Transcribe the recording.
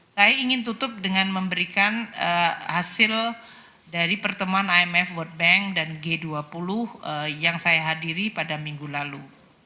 saya ingin tutup dengan memberikan hasil dari pertemuan imf world bank dan g dua puluh yang saya hadiri pada minggu lalu